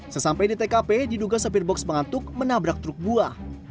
sesampai di tkp diduga sopir box mengantuk menabrak truk buah